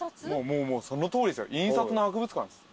もうそのとおりですよ印刷の博物館です。